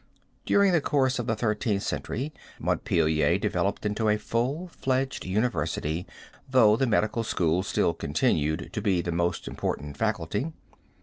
During the course of the Thirteenth Century Montpelier developed into a full fledged university though the medical school still continued to be the most important faculty.